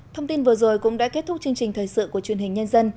thông tin vừa rồi cũng đã kết thúc chương trình thời sự của truyền hình nhân dân